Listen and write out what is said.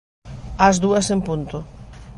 Ás dúas en punto.